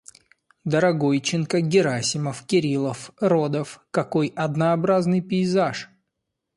Дорогойченко, Герасимов, Кириллов, Родов — какой однаробразный пейзаж!